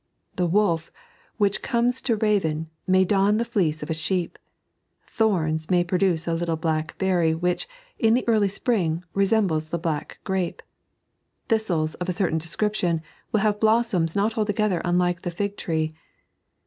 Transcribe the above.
The wolf, which comes to ravin, may don the fleece of a sheep ; thorns may produce a little black berry, which, in the early spring, resembles the black grape; thiatUs of a certain description will have a blossom not altogether unlike the fig tree.